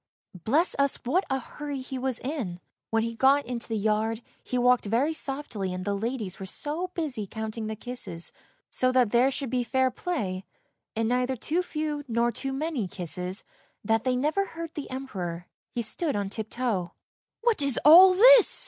Bless us, what a hurry he was in! When he got into the yard, he walked very softly and the ladies were so busy counting the kisses, so that there should be fair play, and neither too few nor too many kisses, that they never heard the Emperor. He stood on tiptoe. " What is all this?